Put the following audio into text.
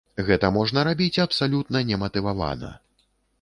Гэта можна рабіць абсалютна нематывавана.